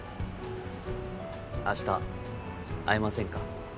あした会えませんか？